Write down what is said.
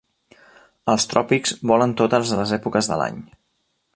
Als tròpics vola en totes les èpoques de l'any.